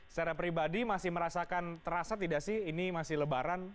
secara pribadi masih merasakan terasa tidak sih ini masih lebaran